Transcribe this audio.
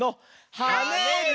「はねる」！